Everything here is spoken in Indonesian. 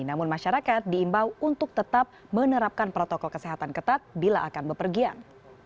namun masyarakat diimbau untuk tetap menerapkan protokol kesehatan ketat bila akan bepergian